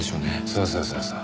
そうそうそうそう。